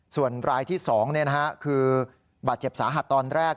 ส่วนรายที่๒คือบาดเจ็บสาหัสตอนแรก